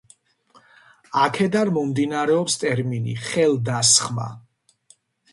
აქედან მომდინარეობს ტერმინი ხელდასხმა.